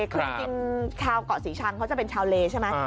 คือจริงชาวเกาะศรีชังเขาจะเป็นชาวเลใช่ไหม